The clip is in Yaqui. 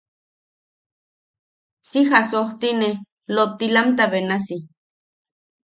Si jasojtine lottilamta benasi.